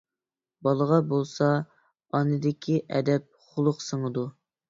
بالىغا بولسا ئانىدىكى ئەدەپ، خۇلق سىڭىدۇ.